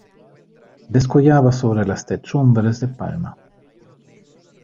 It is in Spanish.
descollaba sobre las techumbres de palma.